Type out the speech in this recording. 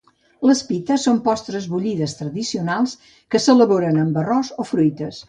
Les pithas són postres bullides tradicionals que s'elaboren amb arròs o fruites.